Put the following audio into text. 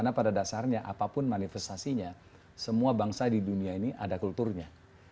karena pada dasarnya apapun manifestasinya semua bangsa di dunia ini ada kulturnya